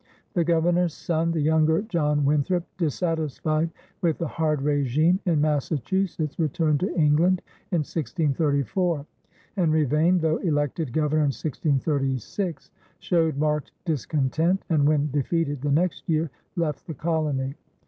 The Governor's son, the younger John Winthrop, dissatisfied with the hard régime in Massachusetts, returned to England in 1634. Henry Vane, though elected Governor in 1636, showed marked discontent, and when defeated the next year left the colony.